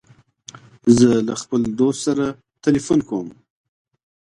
زه له خپل دوست سره تلیفون کوم.